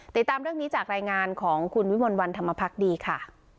ติดตามเรื่องนี้จากรายงานของคุณวิมลวันธรรมพักดีค่ะ